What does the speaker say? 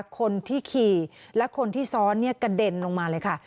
คนที่ขี่และคนที่ซ้อนกระเด็นลงมาเลยค่ะ